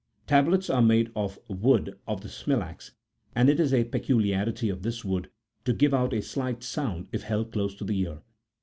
Tablets are made 19 of the wood of the smilax, and it is a peculiarity of this wood to give out a slight sound,20 if held close to the ear.